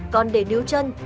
còn để níu chân